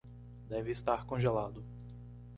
Deve estar congelado.